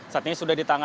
saat ini sudah ditangkap